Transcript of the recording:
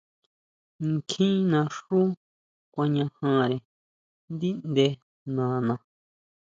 Kjín naxú kuañajare ndíʼnde nana.